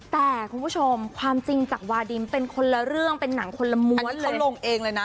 แต่คุณผู้ชมความจริงจากวาดิมเป็นคนละเรื่องเป็นหนังคนละม้วนเขาลงเองเลยนะ